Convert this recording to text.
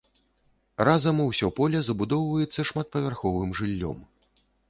Разам усё поле забудоўваецца шматпавярховым жыллём.